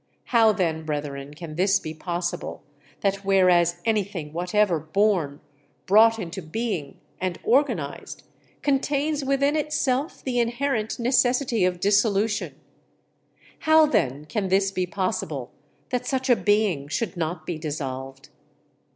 How, then, brethren, can this be possible that whereas anything whatever born, brought into being, and organized, contains within itself the inherent necessity of dissolution how then can this be possible that such a being should not be dissolved?